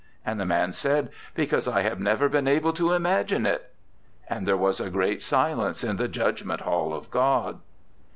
'And the man said, "Because I have never been able to imagine it." 'And there was a great silence in the Judgment Hall of God.'